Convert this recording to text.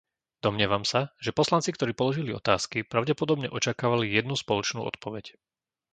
Domnievam sa, že poslanci, ktorí položili otázky, pravdepodobne očakávali jednu spoločnú odpoveď.